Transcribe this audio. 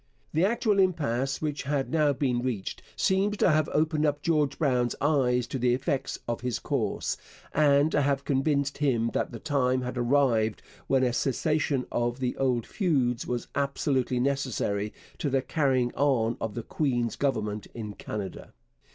The actual impasse which had now been reached seems to have opened George Brown's eyes to the effects of his course, and to have convinced him that the time had arrived when a cessation of the old feuds was absolutely necessary to the carrying on of the queen's government in Canada.